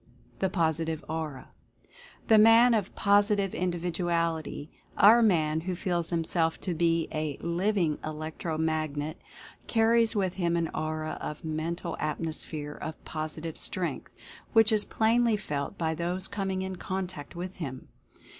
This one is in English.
THE POSITIVE AURA. The man of Positive Individuality — our man who feels himself to be a "Living Electro Magnet" — car ries with him an aura of Mental Atmosphere of Posi tive Strength, which is plainly felt by those coming in contact with him.